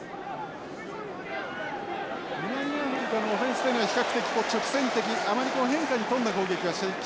南アフリカのオフェンスというのが比較的こう直線的あまり変化に富んだ攻撃はしてきません。